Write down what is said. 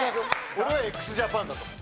俺はＸＪＡＰＡＮだと思う。